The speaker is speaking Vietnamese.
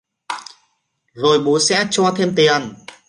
rồi bố xẽ cho thêm tiền